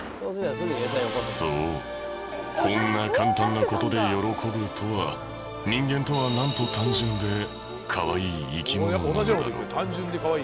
そうこんな簡単な事で喜ぶとは人間とはなんと単純でかわいい生き物なんだろう。